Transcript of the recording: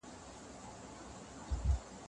اسلام د ژوند حق ډېر پخوا روښانه کړی و.